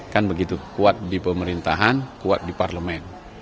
kan begitu kuat di pemerintahan kuat di parlemen